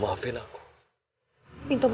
bas artinya aku buruk